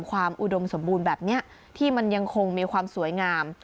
อุดมสมบูรณ์แบบนี้ที่มันยังคงมีความสวยงาม